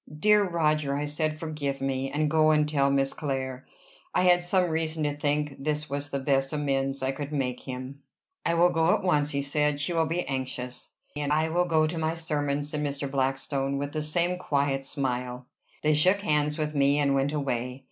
"Dear Roger," I said, "forgive me, and go and tell Miss Clare." I had some reason to think this the best amends I could make him. "I will go at once," he said. "She will be anxious." "And I will go to my sermon," said Mr. Blackstone, with the same quiet smile. They shook hands with me, and went away.